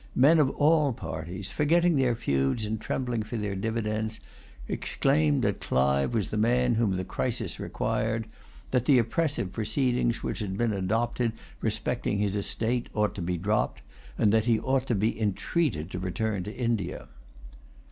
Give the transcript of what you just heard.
Men of all parties, forgetting their feuds and trembling for their dividends, exclaimed that Clive was the man whom the crisis required, that the oppressive proceedings which had been adopted respecting his estate ought to be dropped, and that he ought to be entreated to return to India.